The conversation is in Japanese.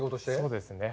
そうですね。